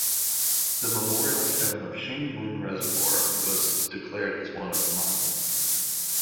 The Memorial Stone of Shing Mun Reservoir was declared as one of the monuments.